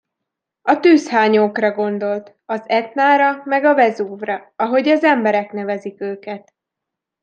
A tűzhányókra gondolt, az Etnára meg a Vezúvra, ahogy az emberek nevezik őket.